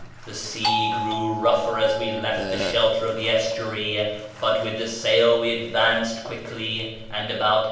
The sea grew rouglier as we left the shelter of the estuary, but with tlie sail we advanced quickly, and about 8.